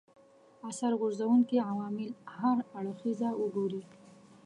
اثر غورځونکي عوامل هر اړخیزه وګوري